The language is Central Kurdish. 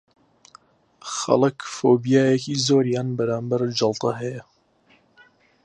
خەڵک فۆبیایەکی زۆریان بەرامبەر جەڵتە هەیە